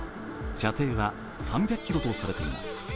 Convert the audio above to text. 射程は３００ｋｍとされています。